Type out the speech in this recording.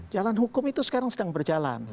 jalan hukum itu sekarang sedang berjalan